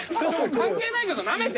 関係ないけどなめて。